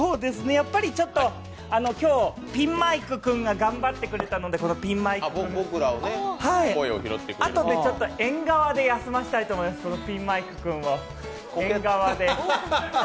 ちょっと今日、ピンマンク君が頑張ってくれたので、あとで縁側で休ませたいと思います、このピンマイク君を。